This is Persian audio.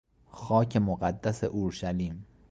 خاک مقدس اورشلیم